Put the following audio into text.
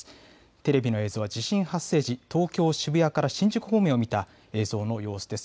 テレビの映像は地震発生時、東京渋谷から新宿方面を見た映像の様子です。